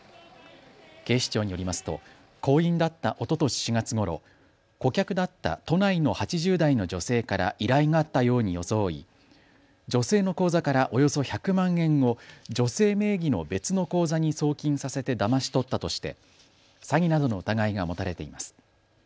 警視庁によりますと行員だったおととし４月ごろ顧客だった都内の８０代の女性から依頼があったように装い女性の口座からおよそ１００万円を女性名義の別の口座に送金させてだまし取ったとして詐欺などの疑いが持たれています。